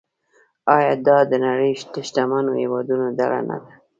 آیا دا د نړۍ د شتمنو هیوادونو ډله نه ده؟